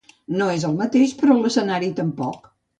No és el mateix, però l'escenari tampoc.